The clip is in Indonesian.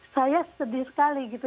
saya sedih sekali gitu